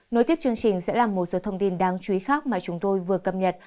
nối tiếp chương trình sẽ là một số thông tin đáng chú ý khác mà chúng tôi vừa cập nhật